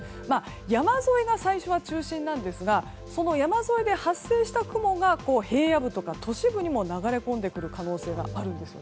山沿いが最初は中心なんですがその山沿いで発生した雲が平野部とか都市部にも流れ込んでくる可能性があるんです。